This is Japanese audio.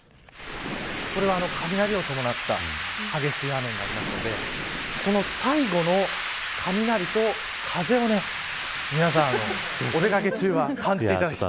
これは雷を伴った激しい雨になりますので最後の雷と風を皆さん、お出掛け中は感じていただきたい。